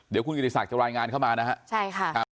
เดี๋ยวคุณอิริษัทจะไลน์งานเข้ามานะฮะขอบคุณค่ะสวัสดีครับ